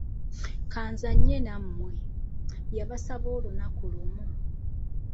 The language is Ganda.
Kanzanye namwe, yabasaba olunaku lumu.